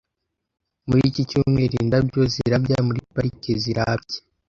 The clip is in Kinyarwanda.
Muri iki cyumweru indabyo zirabya muri parike zirabye .